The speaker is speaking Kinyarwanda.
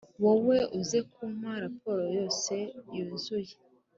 wowe uze kuma raporo yose yuzuye